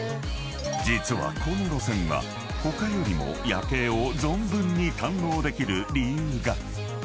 ［実はこの路線は他よりも夜景を存分に堪能できる理由が］